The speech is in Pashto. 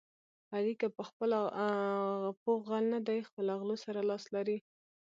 علي که په خپله پوخ غل نه دی، خو له غلو سره لاس لري.